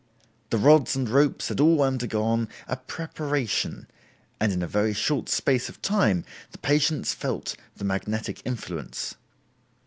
The rods and ropes had all undergone a 'preparation' and in a very short space of time the patients felt the magnetic influence.